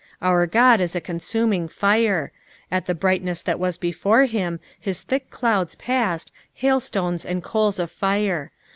" Our God is a consuming fire." " At the brightness that waa before him hia thick clouds passed, hailstones and coals of fire."